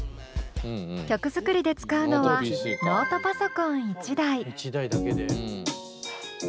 曲作りで使うのはノートパソコン１台。